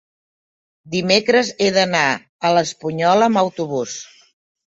dimecres he d'anar a l'Espunyola amb autobús.